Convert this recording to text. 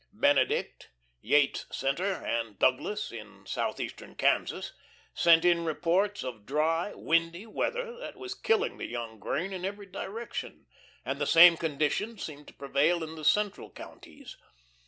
Benedict, Yates' Centre, and Douglass, in southeastern Kansas, sent in reports of dry, windy weather that was killing the young grain in every direction, and the same conditions seemed to prevail in the central counties.